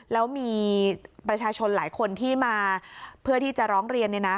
แล้วมีประชาชนหลายคนที่มาเพื่อที่จะร้องเรียน